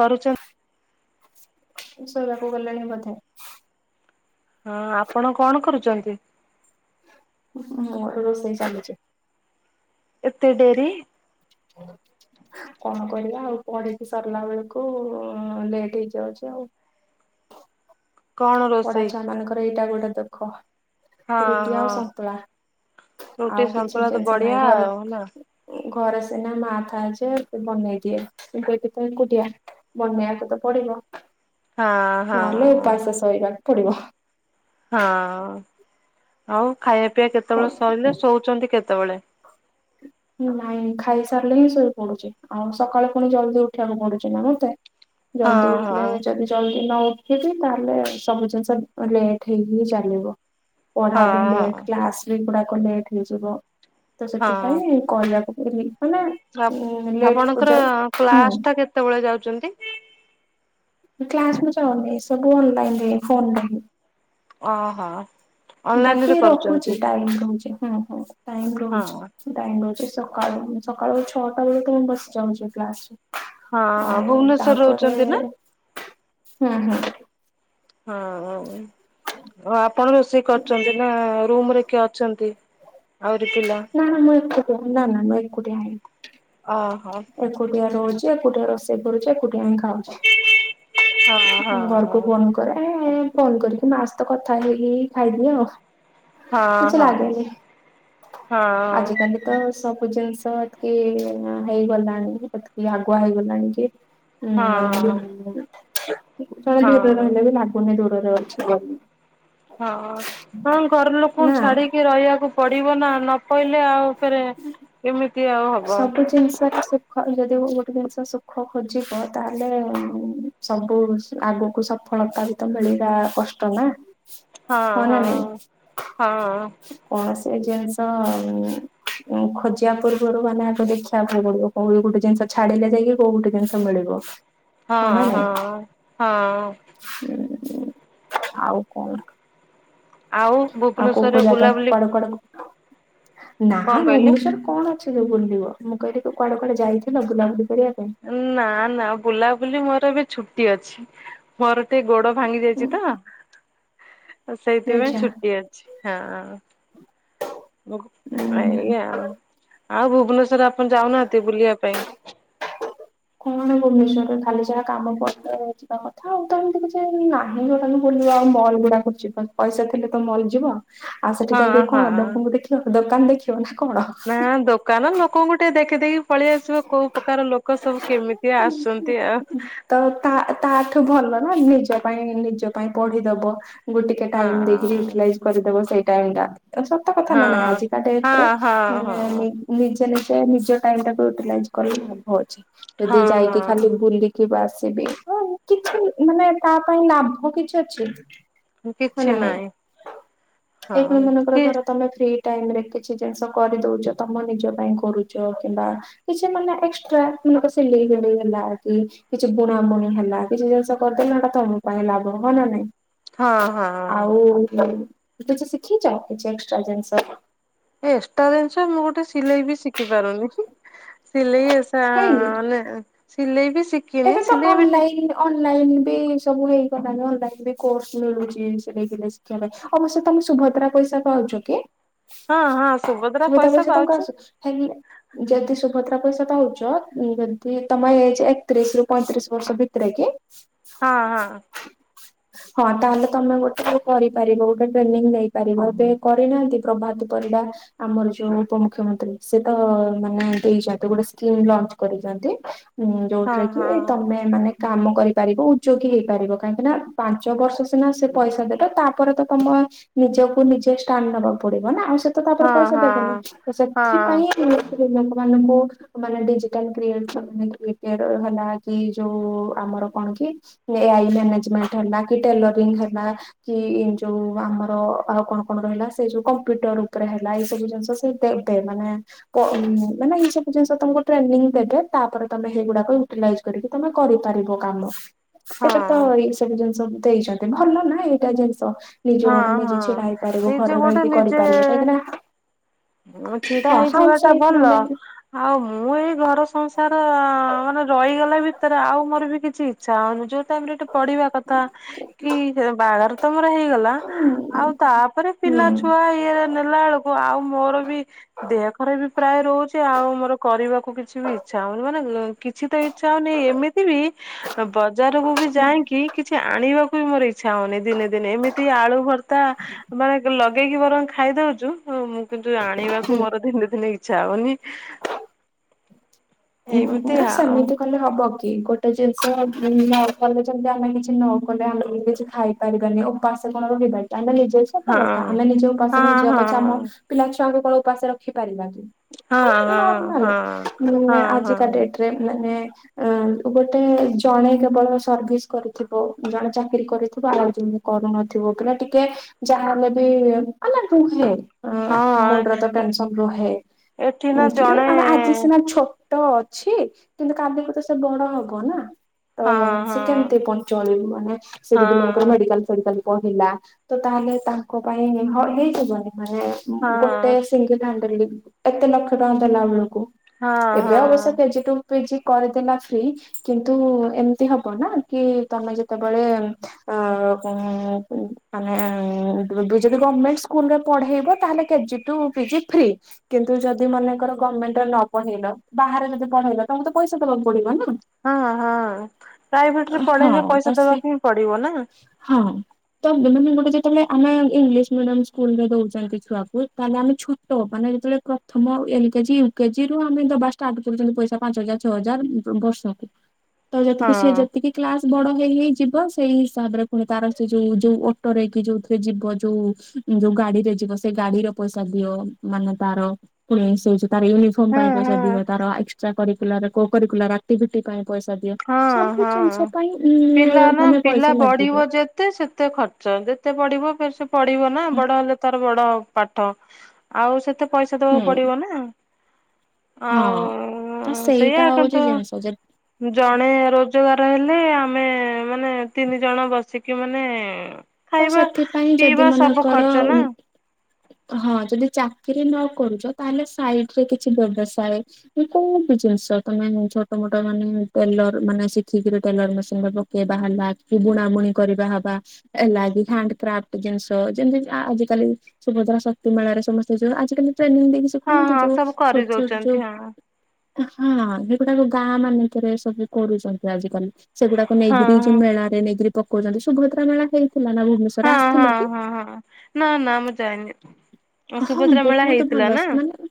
କରୁଛ ଶୋଇବାକୁ ଗଲେଣି ବୋଧେ? ହଁ ଆପଣ କଣ କରୁଛନ୍ତି? ମୋର ରୋଷେଇ ଚାଲିଛି। ଏତେ ଡେରି। ହଁ। କଣ କରିବା ଆଉ ପଢିକି ସରିଲା ବେଳକୁ ଲେଟ୍ ହେଇଯାଉଛି ଆଉ। କଣ ପଢା ରୋଷେଇ? ଛୁଆ ମାନଙ୍କର ଏଇଟା ଗୋଟେ ଦୁଃଖ। ହଁ ରୁଟି ହଁ ଆଉ ସନ୍ତୁଳା ରୁଟି ଆଉ କିଛି ସନ୍ତୁଳା ତ ଟେନସ ବଢିଆ ନାହିଁ। ଘରେ ଆଉ ନା ଘରେ ସିନା ମା ଥାଏ ଯେ ବନେଇ ଦିଏ କିନ୍ତୁ ଏଠି ତ ଏକୁଟିଆ। ବନେଇବାକୁ ତ ପଡିବ। ହଁ। ହଁ। ନହେଲେ ଓପାସ ଶୋଇବାକୁ ପଡିବ। ହଁ ଆଉ ଖାଇବା ପିଇବା କଣ କେତେବେଳେ ସରିଲେ ଶୋଉଛନ୍ତି କେତେବେଳେ? [unintelligible] ନାଇଁ ଖାଇସାରିଲେ ହିଁ ଶୋଇ ପଡୁଛି। ଆଉ ସକାଳୁ ପୁଣି ଜଲ୍ଦି ଉଠିବାକୁ ପଡୁଛି ନା ମତେ। ହଁ ଜଲଦି ଉଠିଲେ ହଁ ଯଦି ଜଲଦି ନ ଉ ଯି ତାହେଲେ ସବୁ ଜିନିଷ ଲେଟ୍ ହେଇକି ଚାଲିବ। ପଢା ହଁ ବି ହଁ ଲେଟ। କ୍ଲାସ ବି ଗୁଡାକ ଲେଟ୍ ହେଇଯିବ। ତ ସେଥିପାଇଁ କହିବାକୁ ପଡୁଛି ମାନେ ଉଁ ଆପ ଲେଟ୍ ଆପଣଙ୍କର ପୂଜା ହୁଁ କ୍ଲାସ ଟା କେତେବେଳେ ଯାଉଛନ୍ତି? କ୍ଲାସ ମୁଁ ଯାଉନି ସବୁ ଅନଲାଇନ ରେ ଫୋନରେ ଓହୋ। ଅନଲାଇନ ବାକି ରେ କରୁଛନ୍ତି ରହୁଛି ଟାଇମ୍ ରହୁଛି। ହଁ ହଁ ଟାଇମ୍ ହଁ ହଁ ରହୁଛି। ଟାଇମ ରହୁଛି ସକାଳୁ। ସକାଳୁ ଛଅଟା ବେଳୁ ତ ବସ୍ ଯାଉଛି କ୍ଲାସରେ। ହଁ ଆଉ ଭୁବନେଶ୍ଵର ତାପରେ ରହୁଛନ୍ତି ନା? ହୁଁ ହୁଁ। ହଁ ଆଉ ଆପଣ ରୋଷେଇ କରିଛନ୍ତି ନା ରୁମ୍ ରେ କିଏ ଅଛନ୍ତି ଆହୁରି ପିଲା? ନା ନା ମୁଁ ଏକୁଟିଆ। ନା ନା ମୁଁ ଏକୁଟିଆ ହିଁ। ଓହୋ। ଏକୁଟିଆ ରହୁଛି, ଏକୁଟିିଆ ରୋଷେଇ କରୁଛି, ଏକୁଟିଆ ହିଁ ଖାଉ ହଁ ମୁଁ ଘରକୁ ହଁ ଫୋନ୍ କରେ ଫୋନ କରିକି ମା ସହିତ କଥା ହେଇ ହେଇ ଖାଇ ଦିଏ ଆଉ। ହଁ କିଛି ହଁ। ଲାଗେନି ହଁ ଆଜିକାଲି ତ ସବୁ ଜିନିଷ ଏତକି ହେଇଗଲାଣି ଏତିକି ଆଗୁଆ ହେଇଗଲାଣି କି ହୁଁ [unintelligible] ହଁ ରହିଲେ ହଁ ବି ଲାଗୁନ ଦୂରରେ ଅଛ ହଁ ହଁ ଘର ଲୋକଙ୍କୁ ନା ଛାଡିକି ରହିବାକୁ ପଡିବ ନା ନ ପଇଲେ ଆଉ ରେ ଏମି ସବୁ ଜିନିଷରେ ସୁ ଖ ଯଦି ଗୋଟେ ଜିନିଷ ସୁଖ ଖୋଜିବ ତାହେଲେ ସବୁ ଆଗୁକୁ ସ ଫଳତା ବି ତ ମିଳିବା କଷ୍ଟ ନା ହଁ ହ ନା ହଁ ନାଇଁ। ହଁ। କୌଣସି ଜିନିଷ ଖୋଜିଆ ପୁରୁ ରୁ ମାନେ ଦେଖିବାକୁ ପଡିବ କୋଉ ଗୋଟେ ଜିନିଷ ଛାଡିଲେ ଯାଇକି କୋଉ ଗୋଟ ଜିନିଷ ମିଳିବ। ହଁ ହଁ ହଁ। ହୁଁ। ଆଉ କଣ ଆଉ ଆଉ କୋଉ କୋଉ ଭୁବନେଶ୍ଵରେ ଜାଗା ବୁଲାବୁଲି କୁଆଡେ କୁ କୁଆଡେ ନା ଭୁବନେଶ୍ଵର କଣ ଅଛି ତିରୁ ବୁଲିବ ମୁଁ କହିଲି ତୁ କୁଆଡେ କୁଆଡେ ଯାଇଥିଲ ବୁଲାବୁଲି କରିବା ପାଇଁ। ନା ନା ବୁଲାବୁଲି ମୋର ବି ଛୁଟି ଅଛି। ମୋର ଟିକେ ଗୋଡ ଭାଙ୍ଗି ଯାଇଚି ତ। ସେଇଥିପାଇଁ ଆଚ୍ଛା ଛୁଟି ଅଛି ହଁ। ଉଁ ଆଜ୍ଞା ଆଉ ଭୁବନେଶ୍ୱର ଆପଣ ଯାଉନାହାନ୍ତି ବୁଲିବା ପାଇଁ? କଣ ଭୁବନେଶ୍ଵରରେ ଖାଲି ଯାହା କାମ [unintelligible] ଯିବା କଥା ଆଉ ତ ହେମିତି କିଛି ନା [unintelligible] ପଇସା ଥିଲେ ତ ମଲ୍ ଯିବ। ଆଉ ସେଠି ହଁ ଯାଇକିରି ହଁ। କଣ ଲୋକଙ୍କୁ ଦେଖିବ ଦୋକାନ ଦେଖିବ ନା କଣ। ନା ଦୋ ଦୋକାନ ଲୋକଙ୍କୁ ଟିକେ ଦେଖି ଦେଇ ପଳେଇ ଆସିବ କୋଉ ପ୍ରକାର ଲୋକ ସବୁ କେମିତି ଆସନ୍ତି ଆ ତ ତା ତାଠୁ ଭଲ ନା ନିଜ ପାଇଁ ନିଜ ପାଇଁ ପଢିଦବ। ଗୋ ଟିକେ ଟାଇମ ଦେଇକି ହି ହଁ। ୟୁଟିଲାଇଜ କରିଦବ ସେଇ ଟାଇମ୍ ଟା। ତ କଥା ହଁ ନା ନାହିଁ ଆଜିକା ଡେଟ ରେ ହଁ ହଁ [unintelligible] ହଁ। ନିଜେ ନିଜେ ନିଜ ଟାଇମ ଟାକୁ ୟୁଟିଲାଇଜ କରି ଲାଭ ଅଛି ଯଦି ହଁ ଯାଇକି ଖାଲି ହଁ ବୁଲି କିବା ଆସି ପି ଉ କିଛି ମାନେ ତା ପାଇଁ ଲାଭ କିଛି ଅଛି। ହ କିଛି ନା ନାଇଁ ନାହିଁ ହଁ ଏଇଖୁଣି ମନେକର କି ଧର ତମେ ଫ୍ରି। ଟାଇମ ରେ କିଛି ଜିନିଷ କରିଦଉଚ ତମ ନିଜ ପାଇଁ କରୁଚ କିମ୍ବା କିଛି ମାନେ ଏକ୍ସଟ୍ରା [unintelligible] ସିଲେଇ କରେଇ ନେଲା କି। କିଛି ବୁଣା ବୁଣି ହେଲା କିଛି ଜିନିଷ କରିଦେଲ ହେଟା ତମ ପାଇଁ ଲାଭ ହ ନା ନାଇଁ। ହଁ ହଁ। ଆଉ କିଛି ଶିଖିଛ କିଛି ଏକ୍ସଟ୍ରା ଜିନିଷ। ଏକ୍ସଟ୍ରା ଜିନିଷ ମୁଁ ଗୋଟେ ସିଲେଇ ବି ଶିଖି ପାରୁନି। ସିଲେଇ ଏସା କାହିଁକି [unintelligible] ସିଲେଇ ବି ଶି ଏବେ ତ ଅନଲାଇନ୍ ଅନଲାଇନ୍ ବି ସବୁ ହେଇଗଲାଣିି ଅନଲାଇନ୍ ବି କୋର୍ସ ମିଳୁଚି ସେ [unintelligible] ଅବ୍ୟଶ ତମେ ସୁଭଦ୍ରା ପଇସା ପାଉଚ କି? ହଁ ହଁ ସୁଭଦ୍ରା ପଇସା ତମକୁ ପାଉଛି ଆସୁଛି ହେରି ଯଦି ସୁଭଦ୍ରା ପଇସା ପାଉଚ ଯଦି ତମ ଏଜ୍ ତିରିଶ ରୁ ପଇଁତିରିଶ ବର୍ଷ ଭିତରେ କି। ହଁ ହଁ। ହଁ ତାହେଲେ ତମେ ଗୋଟେ କରିପାରିବ ଗୋଟେ ଟ୍ରେନିଂ ନେଇପାରିବ ଏବେ କରିନାହାନ୍ତି ପ୍ରଭାତି ପରିଡା। ଆମର ଯୋଉ ଉପମୁଖ୍ୟମନ୍ତ୍ରୀ ସେ ତ ମାନେ ଦେଇଚନ୍ତି ଗୋଟେ ସ୍କିମ ଲଞ୍ଚ କରିଚନ୍ତି। ଉଁ ହଁ ଯୋଉଥିରେ କି ହଁ। ତମେ ମାନେ କାମ କରିପାରିବ ଉଦଯୋଗୀ ହେଇପାରିବ। କାହିଁକିନା ପାଞ୍ଚ ବର୍ଷ ସିନା ସେ ପଇସା ଦେବେ ତାପରେ ତ ତମେ ନିଜକୁ ନିଜେ ଷ୍ଟାଣ୍ଡ ନବାକୁ ପଡିବ ନା। ଆଉ ସେ ତ ହଁ ତାପରେ ପଇସା ହଁ ଦେବେନି। ତ ହଁ ସେଥିପାଇଁ ଲୋକମାନଙ୍କୁ ମାନେ ଡିଜିଟାଲ୍ କ୍ରିଏଟ୍ [unintelligible] ହେଲା କି ଯୋଉ ଆମର କଣ କି ଏ ଆଇ ମ୍ୟାନେଜମେଣ୍ଟ ହେଲା କି ଟେଲରିଂ ହେଲା କି ଯୋଉ ଆମର ଆଉ କଣ କଣ ରହିଲା ସେ ଯୋଉ କମ୍ପ୍ୟୁଟର ଉପରେ ହେଲା ଏଇ ସବୁ ଜିନିଷ ସେ ଦେବେ, ମାନେ ମାନେ ଏଇ ସବୁ ଜିନିଷ ତମକୁ ଟ୍ରେନିଂ ଦେବେ, ତାପରେ ତମେ ହେଇଗୁଡାକୁ ୟୁଟିଲାଇଜ୍ କରିକି ତମେ କରିପାରିବ କାମ। ସେଟା ତ ହଁ ସେ ଜିନିଷ ବି ଦେଇଛନ୍ତି। ଭଲ ନା ଏଇଟା ଜିନିଷ। ନିଜ ହଁ ଗୋଟେ ହଁ। ନିଜେ ଛିଡା ହେଇପାରିବ ନିଜେ ଘରେ ଗୋଡ ରେ ରହିକି ନିଜେ କରିପାରିବ କାହିଁକି ନା ଛିଡା ହଁ ହେଇଯିବା ହାଉସ ଟା ୱାଇଫ ଭଲ। ମାନେ ଆଉ ମୁଁ ଏଇ ଘର ସଂସାର ମାନେ ରହିଗଲେ ବି ତାପରେ ଆଉ ମୋର ବି କିଛି ଇଚ୍ଛା ହଉନି। ଯୋଉ ଟାଇମ୍ ରେ ଏଠି ପଢିବା କଥା କି ବାହାଘର ତ ମୋର ହେଇଗଲା, ଆଉ ହୁଁ ତାପରେ ପିଲା ଛୁଆ ଇଏ ରେ ନେଲା ବେଳକୁ ଆଉ ମୋର ବି ଦେହ ଖରା ବି ପ୍ରାୟ ରହୁଚି। ଆଉ ମୋର କରିବାକୁ କିଛି ବି ଇଚ୍ଛା ହଉନି। ମାନେ କିଛି ତ ଇଚ୍ଛା ହଉନି। ଏମିତି ବି ବଜାରକୁ ବି ଯାଇଁକି କିଛି ଆଣିବାକୁ ବି ମୋର ଇଚ୍ଛା ହଉନି ଦିନେ ଦିନେ। ଏମିତି ଆଳୁ ଭର୍ ତା ମାନେ ଲଗେଇକି ବରଂ ଖାଇଦଉଚୁ ମୁଁ କିନ୍ତୁ ଆଣିବାକୁ ହୁଁ ମୋର ଦିନେ ଦିନେ ଇ ଇଚ୍ଛା ହଉନି। ଏମିତି ଆ ଆଉ ସେମିତି କଲେ ହବ କି। ଗୋଟେ ଜିନିଷ ନ କଲେ ଯେମିତି ଆମେ କିଛି ନ କଲେ ଆମେ ବି କିଛି ଖାଇ ପାରିବାନି। ଉପାସ କଣ ରହିବା କି। ଆମେ ନିଜେ ସତ ହଁ କଥା। ଆମେ ନିଜ ହଁ ଉପାସେ ରହିଯିବା ହଁ ପଛେ ଆମ ପିଲା ଛୁଆଙ୍କୁ କଣ ଉପାସ ରଖି ପାରିବା କି। ମାନେ ହଁ ହଁ ନର୍ମାଲେ। ହଁ [unintelligible] ହଁ [unintelligible] ଗୋଟେ ଜଣେ କେବଳ ସର୍ଭିସ କରିଥିବ ଜଣେ ଚାକିରି କରିଥିବ [unintelligible] କରୁନଥିବ, କିନା ଟିକେ ଯାହା ହେଲେ ବି ମାନେ ରୁହେ। ହଁ ମୁଣ୍ଡରେ ତ ହଁ ଟେନସନ ରୁହେ। ଏଠି ନା କି ଜଣେ ମାନେ ଆଜି ସିନା ଛୋ ଟ ଅଛି କିନ୍ତୁ କାଲିକୁ ତ ସେ ବଡ ହବ ନା। ତ ହଁ ସେ କେମତି ହଁ ପଞ୍ଚୁଆଲ୍ ମାନେ ସେ ଦିଦି ମନେକର ହଁ ମେଡିକାଲ ଫେଡିକାଲ ପଢ଼ିଲା, ତ ତାହେଲେ ତାଙ୍କ ପାଇଁ ହ ହେଇଯିବନି ମାନେ ହଁ ଗୋଟେ ସିଙ୍ଗଲ୍ ହ୍ୟାଣ୍ଡଲିଙ୍ଗ। ଏତେ ଲକ୍ଷ ଟଙ୍କା ଦେଲା ବେଳକୁ ହଁ ଏବେ ହଁ ଅବଶ୍ୟ K G to P G କରିଦେଲା ଫ୍ରି। କିନ୍ତୁ ଏମତି ହବ ନା କି ତମେ ଯେତବେଳେ ଆ ମାନେ ଏବେ ଯଦି ଗମେଣ୍ଟ ସ୍କୁଲରେ ପଢେଇବା ତାହେଲେ କେଜି ଟୁ ପିଜି ଫ୍ରି। କିନ୍ତୁ ଯଦି ମନେଙ୍କର ଗମେଣ୍ଟରେ ନ ପଢେଇଲ ବାହାରେ ଯଦି ପଢେଇଲ ତମକୁ ତ ପଇସା ଦବାକୁ ପଡିବ ନା। ହଁ ହଁ। ପ୍ରାଇଭେଟରେ ପଢେଇଲେ ହଁ ତ ପଇସା ସେ ଦବାକୁ ହିଁ ପଡିବ ନା। ହଁ। ତ [unintelligible] ଗୋଟେ ଯେତେବେଳେ ଆମେ ଇଂଲିଶ ମିଡିୟମ ସ୍କୁଲରେ ଦଉଛନ୍ତି ଛୁଆକୁ ତାହେଲେ ଆମେ ଛୁ ମାନେ ଯେତେବେଳେ ପ୍ରଥମ L K G, U K G ରୁ ଆମେ ଦବା ଷ୍ଟାର୍ଟ କରୁଛନ୍ତି ପଇସା ପାଞ୍ଚ ହଜାର ଛଅ ହଜାର ବର୍ଷକୁ। ତ ହଁ ଯେତିକି ସେ ଯେତିକି କ୍ଲାସ୍ ବଡ ହେଇ ହେଇ ଯିବ, ସେଇ ହିସାବରେ ପୁଣି ତାର ସେ ଯୋଉ ଯୋଉ ଅଟୋରେ କି ଯୋଉଥିରେ ଯିବ ଯୋଉ ଯୋଉ ଗାଡିରେ ଯିବ ସେ ଗାଡିର ପଇସା ଦିଅ। ମାନେ ତାର [unintelligible] ହଉଚି ତାର ୟୁନିଫର୍ମ ପାଇଁ ହଁ ପଇସା ହଁ ଦିଅ। ତାର ଏକ୍ସଟ୍ରା କରିକୁଲାର କୋ କରିଲୁଲାର ଆ ଆକ୍ଟିଭିଟି ପାଇଁ ପଇସା ଦିଅ। ହଁ ସବୁ ହଁ ଜିନିଷ ପାଇଁ ମାନେ ପଇସା ଲାଗିବ। ତେ ସେତେ ଖର୍ଚ୍ଚ ଯେତେ ପଢି଼ବ ଫେର୍ ସେ ପଢି଼ବ ନା ବଡ଼ ହେଲେ ତ ବଡ଼ ପାଠ ଆଉ ସେତେ ପଇସା ହୁଁ ଦବାକୁ ପଡି଼ବ ନା। ହଁ ଆଉ ସେଇଆ କିନ୍ତୁ, ସଜର ଜଣେ ରୋଜଗାର ହେଲେ ଆମେ ମାନେ ତିନି ଜଣ ବସିକି ମାନେ ତ ଖାଇବା ସେଥିପାଇଁ ଯଦି ପିଇବା ସବୁ ମାନେକର ଖର୍ଚ୍ଚ ନା ହଁ ଯଦି ଚାକିରି ନ କରୁଛ ତାହେଲେ ସାଇଟ୍ ରେ କିଛି ବ୍ୟବସାୟ କୋଉ ବି ଜିନିଷ ତମେ ଛୋଟ ମୋଟ ମାନେ ଟେଲର ମାନେ ଶିଖିକିରି ଟେଲର ମେସିନ ଦେବ। କିଏ ବାହାରିଲା କି ବୁଣା ବୁଣି କରିବା ହବା ହେଲାଗି ହ୍ୟାଣ୍ଡ କ୍ରାଫ୍ଟ ଜିନିଷ ଯେମିତି ଆଜିକାଲି ସୁଭଦ୍ରା ଶକ୍ତି ମେଳାରେ ସମସ୍ତେ ଯ ଆଜିକାଲି ଟ୍ରେନିଂ ଦେଇ ହଁ ଦେଖୁନ ହଁ ଯୋଉ ସବୁ ଛୋଟ ଛୋଟ କରିଦଉଛନ୍ତି ଯୋଉ ହଁ। ହଁ ଏଗୁଡ଼ାକ ଗାଁ ମାନଙ୍କରେ ସବୁ କରୁଛନ୍ତି ଆଜିକାଲି। ସେଗୁଡାକୁ ହଁ ନେଇକିରି ଯୋଉ ହଁ ମେଳାରେ ନେଇକରି ପକଉଛନ୍ତି ସୁଭଦ୍ରା ମେଳା ହେଇଥିଲା ନା ଭୁବନେଶ୍ୱର ହଁ ହଁ ହଁ ହଁ ନା ନା ମୁଁ ଜାଇନି। ହଁ ବହୁତ ଭଲ ସେମାନେ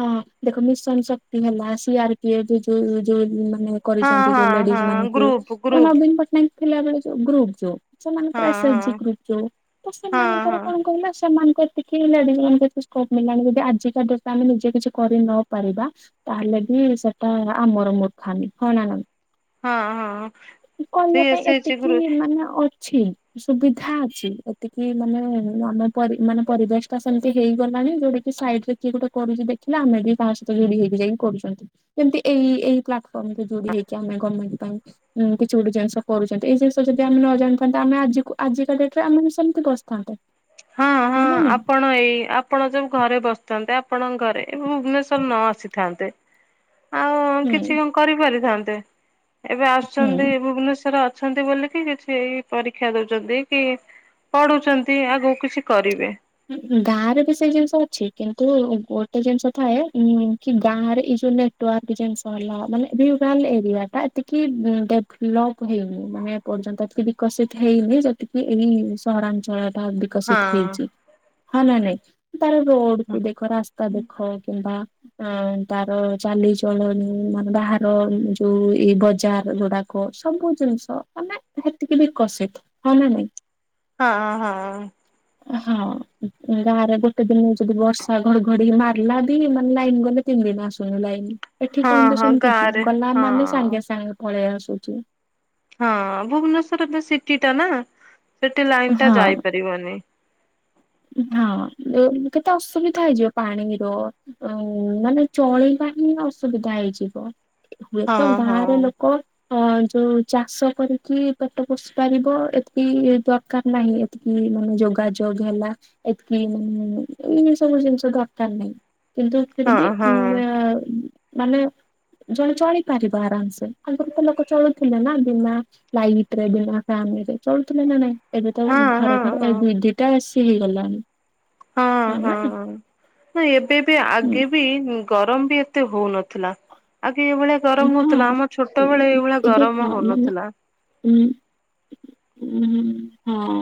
ହଁ ଦେଖ ମିଶନ ଶକ୍ତି ହେଲା ସି ଆର ପି ଏଫ ଯୋଉ ଯୋଉ ମାନେ ହଁ କରିଛନ୍ତି ଯୋଉ ହଁ ଲେଡିଜ ହଁ ମାନଙ୍କୁ ଗ୍ରୁପ ଗ୍ରୁପ ନବୀନ ପଟ୍ଟନାୟକ ଥିଲାବେଳେ ଯୋଉ ଗ୍ରୁପ ଯୋଉ ସେମାନେ ର ଏସ୍ ହଁ ଏଚ୍ ହଁ ଜି ଗ୍ରୁପ୍ ଯୋଉ ତ ହଁ ସେମାନଙ୍କର ହଁ କଣ କହିଲେ ସେମାନଙ୍କ ଦେଖି ଲେଡିଜ ମାନଙ୍କର ସ୍ପମିିନାଲ୍ ଯଦି ଆଜିକା ଡେଟେରେ ଆମେ ନିଜେ କିଛି କରି ନ ପାରିବା ତାହେଲେ ବି ସେଟା ଆମର ମୂର୍ଖାମୀ ହଁ ନା ନାଇ? ହଁ ହଁ--ଅ। କହିବା ପାଇଁ ଏତିକି ମାନେ ଅ ଛି ସୁବିଧା ଅଛି ଏତିକି ମାନେ ଆମ ମାନେ ପରି ତ ସେମିତି ହେଇଗଲାଣି ଯୋଉଟା କିି ସାଇଡ ରେ କିଏ ଗୋଟେ କରୁଚି ଦେଖିଲା ଆମେ ବି ତା ସହିତ ଯୋଡି଼ ହେଇକି ଯାଇକି କରୁଛନ୍ତି। ସେମିତି ଏଇ ଏଇ ପ୍ଲାଟଫର୍ମ ରେ ଯୋଡି଼ ହେଇକି ଆମେ ଗମେଣ୍ଟ ପାଇଁ। ଉଁ କିଛି ଗୋଟେ ଜିନିଷ କରୁଛନ୍ତି। ଏଇ ଜିନିଷ ଯଦି ଆମେ ନ ଜାଣିଥାନ୍ତେ ଆମେ ଆଜିକୁ ଆଜିକା ଡେଟ ରେ ଆମେ ସେମିତି ବସିଥାନ୍ତେ। ହଁ ହଁ ନା ନାଇଁ ଆପଣ ଏଇ ଆ ଆପଣ ଯୋଉ ଘରେ ବସିଥାନ୍ତେ ଆପଣଙ୍କ ଘରେ ଭୁବନେଶ୍ଵର ନ ଆସିଥାନ୍ତେ ଆଉ ହୁଁ କିଛି କରିପାରିଥାନ୍ତେ? ଏବେ ହୁଁ। ଆସୁଛନ୍ତି ଭୁବନେଶ୍ବର। ଆସୁଛନ୍ତି ବୋଲିକି କିଛିଇ ପରୀକ୍ଷା ଦଉଛନ୍ତି କି ପଢ଼ୁଛନ୍ତି ଆଗ କିଛି କରିବେ। ଉ ହୁଁ ଗାଁ ରେ ବି ସେଇ ଜିନିଷ ଅଛି କିନ୍ତୁ ଗୋଟେ ଜିନିଷ ଥାଏ ଉ କି ଗାଁ ରେ ଏଇସବୁ ନେ ଟ ୱର୍କ ଜିନିଷ ହେଲା ମାନେ ଏରିଆ ଟା ଏତିକି ଡେଭଲପ ହେଇନି ମାନେ ପର୍ଯ୍ୟନ୍ତ ଏତିକି ବିକଶିତ ହେଇନି ଯେତିକି ଏଇ ସହରାଞ୍ଚଳ ଟା ହଁ ବିକଶିତ ହେଇଚି। ହଁ ନା ନାଇଁ ତାର ରୋଡ କୁ ଦେଖ ରାସ୍ତା ଦେଖ କିମ୍ବା ହଁ ତାର ଚାଲିଚଳଣି ମାନେ ବାହାର ଯୋଉ ଏଇ ବଜାର ଗୁଡ଼ାକ କ ସବୁ ଜିନିଷ ମାନେ ହେତିକି ବିକଷିତ ହଁ ନା ନାଇଁ? ହଁ ହଁ। ହଁ ଗାଁରେ ଗୋଟେ ଦିନ ଯଦି ବର୍ଷା ଘଡ଼ଘଡି଼ ମାରିଲା ମାନେ ଲାଇନ୍ ଗଲେ ତିନି ଦିନ ଆସୁନି ଲାଇନ। ଏଠି ହଁ କହନ୍ତୁ ହଁ ସେମତି କି ଗାଁରେ ଗଲା ହଁ। ମାନେ ସାଙ୍ଗେ ସାଙ୍ଗେ ପଳେଇ ଆସୁଚି। ହଁ ଭୁବନେଶ୍ୱର ସିଟି ଟା ନା ସେଠି ଲାଇନ ଟା ହଁ ଯାଇପାରିବନି। ହଁ କେତେ ଅସୁବିଧା ହେଇଯିବ ପାଣିର। ଅ ମାନେ ଚଳିବା ହିଁ ଅସୁବିଧା ହେଇଯିବ। ହୁଏତ ହଁ ହଁ। ଗାଁରେ ଲୋକ ହଁ ଯୋଉ ଚାଷ କରିକି ପେଟ ପୋଷି ପାରିବ ଏତ୍କି ଦରକାର ନାହିଁ। ଉଁ ଯୋଗାଯୋଗ ହେଲା ଏତ୍କି ମାନେ ଏ ସବୁ ଜିନିଷ ଦରକାର ନାହିଁ। କିନ୍ତୁ ଫିର୍ ହଁ ବି ହଁ ଉଁ ଆ ମାନେ ଜଣେ ଚଳିପାରିବ ଆରାମ୍ ସେ ଆଗରୁ ତ ଲୋକ ଚଳୁଥିଲେ ନା ବିନା ଲାଇଟ ରେ ବିନା ଫ୍ୟାନ୍ ରେ ଚଳୁଥିଲେ ନା ନାଇଁ? ଏବେ ତ ହଁ ଘରେ ହଁ ଘରେ ଏ ଦି ଦିଟା ଏସି ହେଇଗଲାଣି। ହଁ ହଁ ହଁ ଏବେ ବି ହୁଁ। ଆଗେ ବି ଗରମ ବି ଏତେ ହଉ ନଥିଲା। ଆଗେ ଏଇଭଳିଆ ଗରମ ହଁ ହଉଥିଲା ଆମ ଛୋଟବେଳେ ଏଇଭଳିଆ ଗରମ ହଉନଥିଲା। ଉଁ ଉଁହୁଁ ହଁ।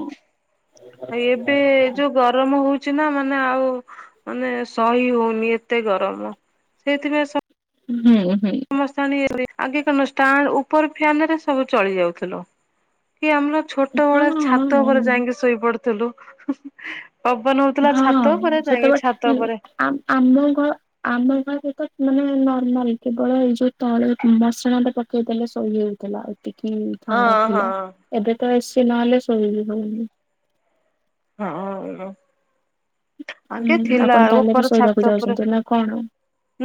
ଆ ଏବେ ଯୋଉ ଗରମ ହଉଚି ନା ମାନେ ଆଉ ମାନେ ସହି ହଉନି ଏତେ ଗରମ ସେଇଥିପାଇଁ ସ ହୁଁ ହୁଁ। ସମସ୍ତେ ଆଣି ଆଗେ କଣ ଷ୍ଟା ଉପର ଫ୍ୟାନ ରେ ସବୁ ଚଳି ଯାଉଥିଲ। କି ଆମର ଛୋଟ ହଁ ଭଳିଆ ଛାତ ହଁ ଉପରେ ଯାଇକି ଶୋଇପଡିୁଥିଲୁ। ପବନ ହଉଥିଲା ଛାତ ଉପରେ ଯାଇକି ଛାତ ଉପରେ। ଆ ଆମ ଘର ଆମ ଘରେ ତ ମାନେ ନର୍ମାଲ କେବଳ ଏଇ ଯୋଉ ତଳ ମସିଣା ଟା ପ ଟିକିଏ ଦେଲେ ସୋଇ ହେଇଥିଲା। ଟିକିଏ ଥଣ୍ଡା ହଁ ହଁ। ଥିଲା, ଏବେ ତ ଏସିି ନହେଲେ ଶୋଇ ହଉନି। ହଁ ଲୋ। ଆଗେ ହୁଁ ଥିଲା ଆପଣ ତାହେଲେ ବି ଉପର ଶୋଇବାକୁ ଛାତ ଉପରେ। ଯାଉଛନ୍ତି ନା କଣ?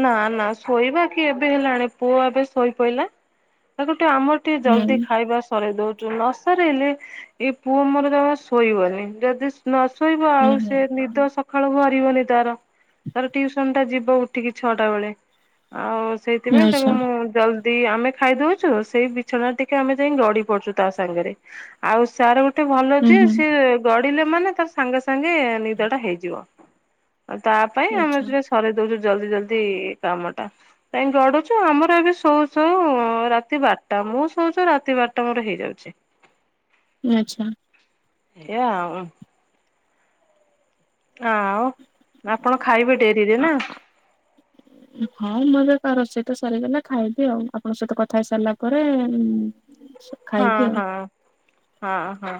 ନା ନା ଶୋଇବା କି ଏବେ ହେଲାଣି ପୁଅ ଏବେ ଶୋଇ ପଇଲା ତା ଗୁଟେ ଆମର ଟିକେ ହୁଁ ଜଲଦି ଖାଇବା ସରେଇ ଦଉଚୁ, ନ ସରେଇଲେ ଏ ପୁଅ ମୋର ଜମା ଶୋଇବନି। ଯଦି ନ ଶୋଇବ ହୁଁ ଆଉ ହୁଁ ସେ ନିଦ ସକାଳୁ ଭରିବନି ତାର ତାର ଟଟିଉସନ ଟା ଯିବ ଉଠ ଟିକେ ଛଅଟା ବେଳେ ଆଉ ସେଇଥିପାଇଁ ଆଚ୍ଛା ତାକୁ ମୁଁ ଜଲଦି ଦି ଆମେ ଖାଇଦଉଛୁ ସେଇ ବିଛଣା ଟିକେ ଆମେ ଯାଇ ଗଡି ପଡୁଛୁ ତା ସାଙ୍ଗରେ ଆଉ ସାର ଗୋଟେ ଏତେ ଭଲ ହୁଁ ଯେ ହୁଁ ସିଏ ଗଢିଲେ ମାନେ ତାର ସାଙ୍ଗେ ସାଙ୍ଗେ ନିଦ ଟା ହେଇଯିବ। ଆଉ ତା ପାଇଁ ଆମେ ଆଚ୍ଛା ଯେ ସରେଇ ଦଉଛୁ ଜଲଦି ଜଲଦି କାମ ଟା। କାଇହିଁ ଗଡୁଛୁ ଆମର ଏବେ ଶୋଉ ଶୋଉ ରାତି ବାରଟା ମୁଁ ଶୋଉ ଶୋଊ ରାତି ବାରଟା ମୋର ହେଇଯାଉଛି। ଆଚ୍ଛା। ଏଇଆ ଆଉ। ଆଉ ଆପଣ ଖାଇବେ ଡେରିରେ ନା? [inaudible] ହଁ ମୁଁ ଏବେ କ ସହିତ ସରିଗଲେ ଖାଇବି ଆଉ ଆପଣଙ୍କ ସହିତ କଥା ହେଇ ସାରିଲା ପରେ ଉଁ ହଁ ହଁ ହଁ ହଁ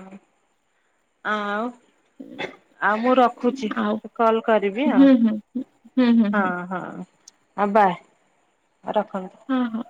ଆଉ। ଆଉ ମୁଁ ରଖୁଛି ଆଉ କଲ କରିବି ହୁଁ ଆଉ। ହୁଁ ହୁଁ ହୁଁ ହଁ ହୁଁ ହଁ ଆଉ ବାଏ ରଖନ୍ତୁ। ହଁ ହଁ।